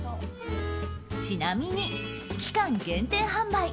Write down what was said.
ちなみに、期間限定販売。